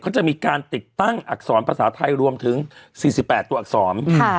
เขาจะมีการติดตั้งอักษรภาษาไทยรวมถึง๔๘ตัวอักษร